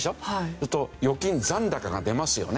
そうすると預金残高が出ますよね。